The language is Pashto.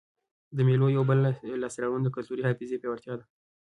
د مېلو یوه بله لاسته راوړنه د کلتوري حافظې پیاوړتیا ده.